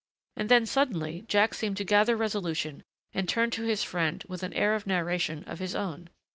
And then suddenly Jack seemed to gather resolution and turned to his friend with an air of narration of his own.